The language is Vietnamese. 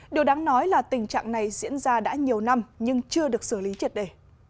điều đáng nói là tình trạng này diễn ra đã nhiều năm nhưng chưa được xử lý triệt đề